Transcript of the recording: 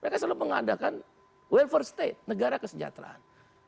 mereka selalu mengadakan welfare state negara kesejahteraan